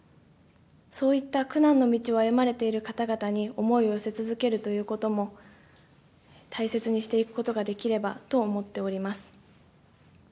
そういった苦難の道を歩まれている方々に思いを寄せ続けるということも、大切にしていくことができればと思っております。